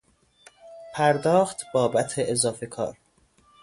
پرداخت بابت اضافه کار